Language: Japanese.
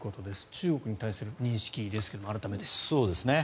中国に対する認識ですけれども改めて。